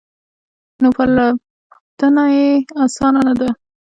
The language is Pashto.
نو پرتلنه یې اسانه نه ده